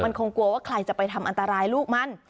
มันคงกลัวว่าใครจะไปทำอันตรายลูกมัน